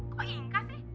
kok inka sih